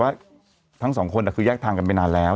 ว่าทั้งสองคนคือแยกทางกันไปนานแล้ว